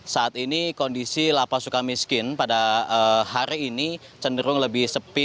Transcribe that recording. saat ini kondisi lapas suka miskin pada hari ini cenderung lebih sepi